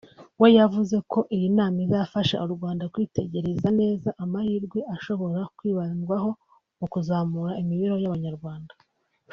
we yavuze ko iyi nama izafasha u Rwanda kwitegereza neza amahirwe ashobora kwibandwaho mu kuzamura imibereho y’Abanyarwanda